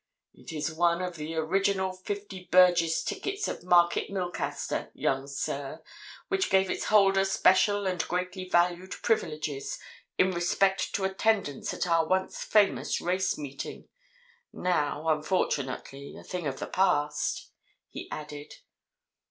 "It is one of the original fifty burgess tickets of Market Milcaster, young sir, which gave its holder special and greatly valued privileges in respect to attendance at our once famous race meeting, now unfortunately a thing of the past," he added.